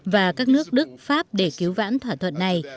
và các nước đức pháp để cứu vãn thỏa thuận này